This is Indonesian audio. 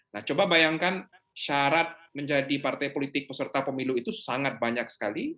nah coba bayangkan syarat menjadi partai politik peserta pemilu itu sangat banyak sekali